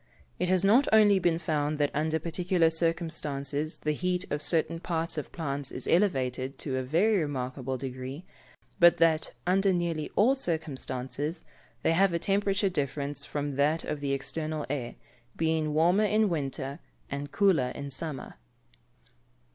It has not only been found that under particular circumstances the heat of certain parts of plants is elevated to a very remarkable degree, but that, under nearly all circumstances, they have a temperature different from that of the external air, being warmer in winter, and cooler in summer.